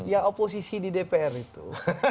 ya oposisi di dpr itu